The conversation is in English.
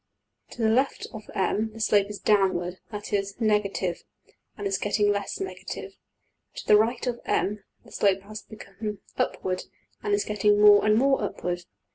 To the left of~$M$ the slope is downward, that is, negative, and is getting less negative. To the right of~$M$ the slope has become upward, and is \Figures{126a}{126b} getting more and more upward.